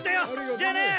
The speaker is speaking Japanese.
じゃあな。